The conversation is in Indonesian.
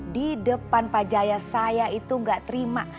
di depan pajaya saya itu nggak terima